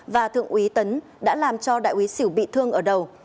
và thượng úy tấn đã làm cho đại úy xỉu bị thương ở đầu